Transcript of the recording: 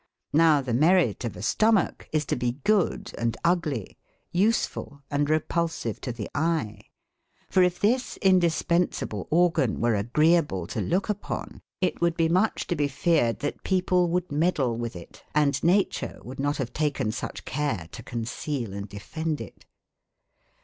Now, the merit of a stomach is to be good and ugly, useful and repulsive to the eye, for if this indispensable organ were agreeable to look upon, it would be much to be feared that people would meddle with it and nature would not have taken such care to conceal and defend it.